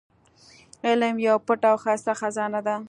علم يوه پټه او ښايسته خزانه ده.